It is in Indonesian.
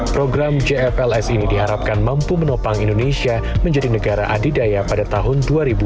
program jfls ini diharapkan mampu menopang indonesia menjadi negara adidaya pada tahun dua ribu dua puluh